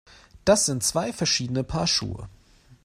Das sind zwei verschiedene Paar Schuhe!